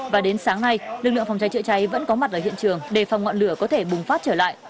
và đến sáng nay lực lượng phòng cháy chữa cháy vẫn có mặt ở hiện trường đề phòng ngọn lửa có thể bùng phát trở lại